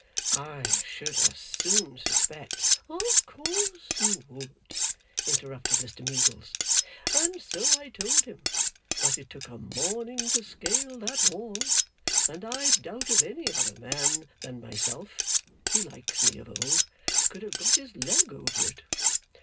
'I should as soon suspect ' 'Of course you would,' interrupted Mr Meagles, 'and so I told him. But it took a morning to scale that wall; and I doubt if any other man than myself (he likes me of old) could have got his leg over it.